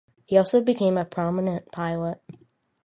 He also became a prominent pilot.